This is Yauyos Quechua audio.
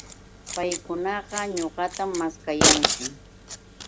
Paykunaqa ñuqatam maskayanku